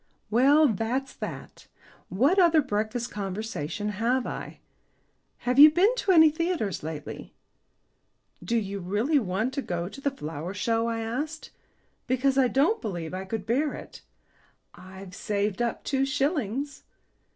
"Well, that's that. What other breakfast conversation have I? Have you been to any theatres lately?" "Do you really want to go to the Flower Show?" I asked. "Because I don't believe I could bear it." "I've saved up two shillings."